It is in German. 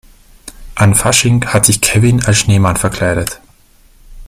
An Fasching hat sich Kevin als Schneemann verkleidet.